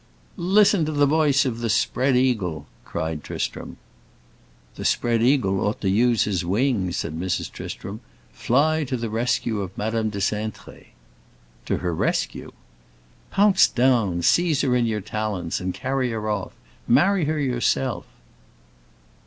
"Listen to the voice of the spread eagle!" cried Tristram. "The spread eagle ought to use his wings," said Mrs. Tristram. "Fly to the rescue of Madame de Cintré!" "To her rescue?" "Pounce down, seize her in your talons, and carry her off. Marry her yourself."